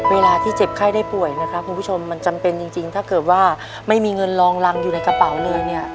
เวลาที่เจ็บไข้ได้ป่วยนะครับคุณผู้ชมมันจำเป็นจริงถ้าเกิดว่าไม่มีเงินรองรังอยู่ในกระเป๋าเลยเนี่ย